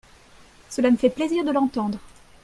Cela me fait plaisir de l’entendre